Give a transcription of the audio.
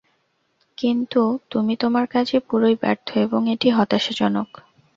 কিন্তু তুমি তোমার কাজে পুরোই ব্যর্থ এবং এটি হতাশাজনক।